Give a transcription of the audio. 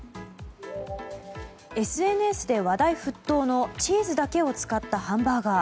ＳＮＳで話題沸騰のチーズだけを使ったハンバーガー。